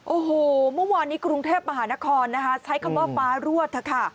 โอ้โหเมื่อวานนี้กรุงเทพฯมหานครใช้คำว่าฟ้ารวด